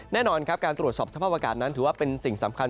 แน่นอนครับการตรวจสอบสภาพอากาศนั้นถือว่าเป็นสิ่งสำคัญ